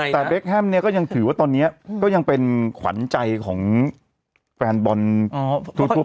แต่เบคแฮมเนี่ยก็ยังถือว่าตอนนี้ก็ยังเป็นขวัญใจของแฟนบอลทั่ว